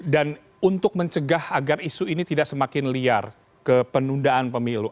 dan untuk mencegah agar isu ini tidak semakin liar ke penundaan pemilu